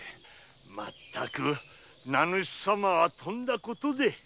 まったく名主様はとんだことで。